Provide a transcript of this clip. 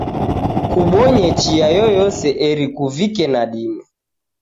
Kubonye chia yoyose eri kuvike nadime